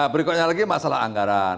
berikutnya lagi masalah anggaran